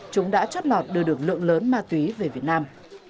chúng đã chót lọt đưa được lượng lớn ma túy về việt nam